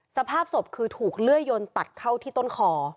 สภาพศพคือถูกเลื่อยยนตัดเข้าที่ต้นคอ